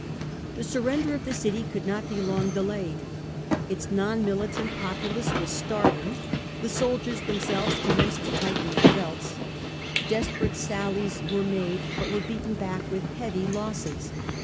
The surrender of the city could not be long delayed. Its non militant populace was starving, the soldiers themselves commenced to tighten their belts. Desperate sallies were made but were beaten back with heavy losses.